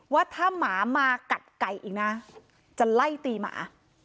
ว่าถ้าหมามากัดไก่อีกนะจะไล่ตีหมา